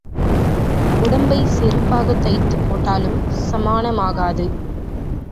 உடம்பைச் செருப்பாகத் தைத்துப் போட்டாலும் சமானமாகாது.